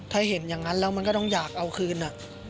ถ้าเห็นอย่างนั้นแล้วมันก็ต้องอยากเอาคืน